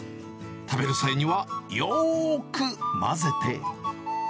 食べる際には、よーく混ぜて。